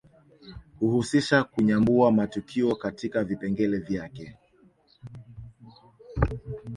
Huhusisha kunyambua matukio katika vipengele vyake